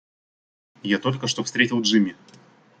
Я только что встретил Джимми.